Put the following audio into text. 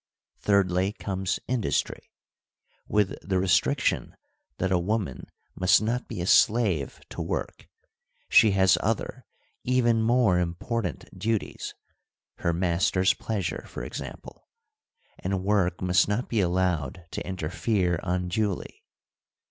Thirdly comes industry, with the restriction that a woman must not be a slave to work : she has other even more important duties — her master's pleasure, for example — and work must not be allowed to interfere unduly.